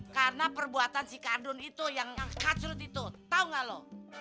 karena perbuatan si kadun itu yang kacrut itu tau gak lo